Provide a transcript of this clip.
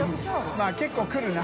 まぁ結構くるな。